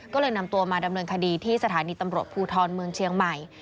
ก็เลยนำตัวมาดำเนินคดีที่สถานีตำรวจภูทรเมืองเชียงใหม่